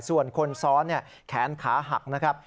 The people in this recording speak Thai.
ส่วนคนซ้อนแขนขาหักนะครับ